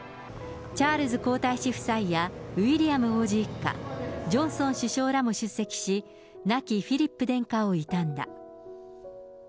チャールズ皇太子夫妻や、ウィリアム王子一家、ジョンソン首相らも出席し、亡きフィリップ殿下を悼んだ。